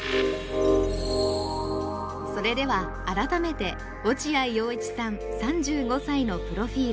それでは改めて落合陽一さん３５歳のプロフィール。